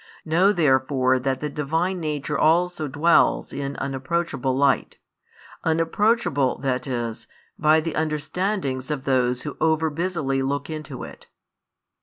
Know therefore that the Divine Nature also dwells in unapproachable light; unapproachable, that is, by the understandings of those who over busily look into it.